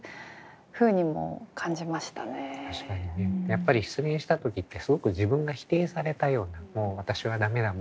やっぱり失恋した時ってすごく自分が否定されたような「もう私は駄目だ。